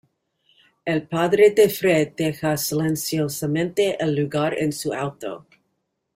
El padre de Fred deja silenciosamente el lugar en su auto.